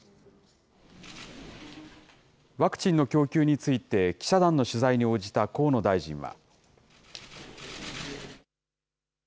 ワクチンの供給について、記者団の取材に応じた河野大臣は。